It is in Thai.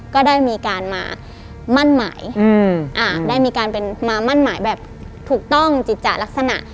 ก็ได้มีการมามั่นหมายได้มีการเป็นมามั่นหมายแบบถูกต้องจิตจะลักษณะ